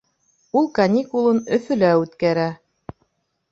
Ул каникулын Өфөлә үткәрә